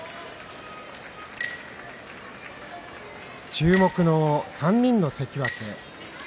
注目の３人の関脇。